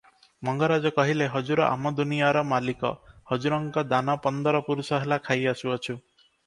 ମଙ୍ଗରାଜ କହିଲେ, "ହଜୁର ଆମ ଦୁନିଆର ମାଲିକ, ହଜୁରଙ୍କ ଦାନା ପନ୍ଦର ପୁରୁଷ ହେଲା ଖାଇ ଆସୁଅଛୁ ।